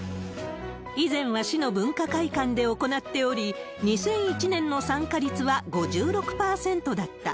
以前は市の文化会館で行っており、２００１年の参加率は５６％だった。